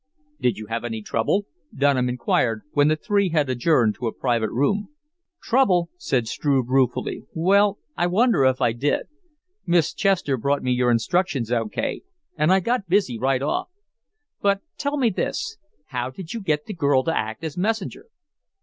"Did you have any trouble?" Dunham inquired when the three had adjourned to a private room. "Trouble," said Struve, ruefully; "well, I wonder if I did. Miss Chester brought me your instructions O.K. and I got busy right off. But, tell me this how did you get the girl to act as messenger?"